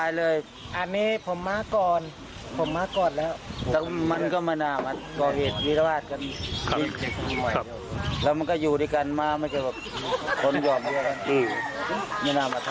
จุดเกิดเหตุก็แม้จะเหลืออีก๒กิโลกรัมจะถึงวัดแต่ว่าห่างจากโรงพักษณ์สพโพกสลุงแค่๓๐๐เมตรนะครับ